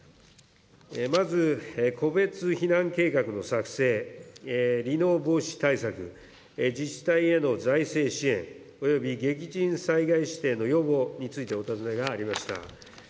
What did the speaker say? まず、個別避難計画の作成、離農防止対策、自治体への財政支援、および激甚災害指定の要望についてお尋ねがありました。